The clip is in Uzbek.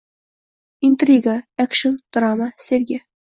intriga, ekshn, drama, sevgi...